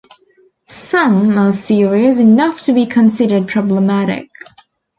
Some are serious enough to be considered problematic.